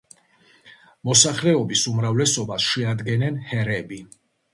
მოსახლეობის უმრავლესობას შეადგენენ ჰერები.